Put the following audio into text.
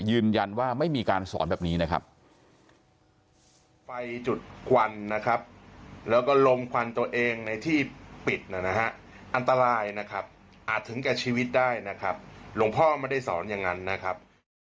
ยืนยันว่าไม่มีการสอนแบบนี้นะครับ